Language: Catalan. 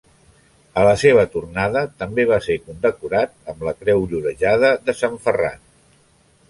A la seva tornada també va ser condecorat amb la Creu Llorejada de Sant Ferran.